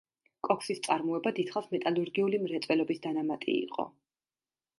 კოქსის წარმოება დიდხანს მეტალურგიული მრეწველობის დანამატი იყო.